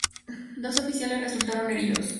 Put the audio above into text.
Dos oficiales resultaron heridos.